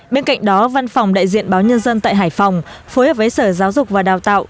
bên cạnh đó văn phòng đại diện báo nhân dân tại hải phòng phối hợp với sở giáo dục và đào tạo